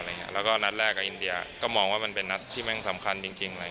แล้วก็นัดแรกกับอินเดียก็มองว่ามันเป็นนัดที่แม่งสำคัญจริง